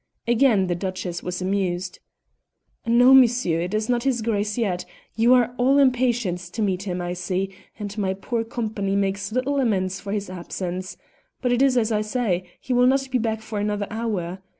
Again the Duchess was amused. "No, monsieur, it is not his Grace yet; you are all impatience to meet him, I see, and my poor company makes little amends for his absence; but it is as I say, he will not be back for another hour.